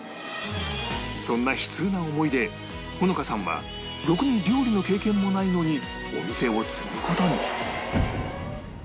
そんな悲痛な思いで穂乃花さんはろくに料理の経験もないのにお店を継ぐ事に